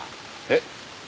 えっ？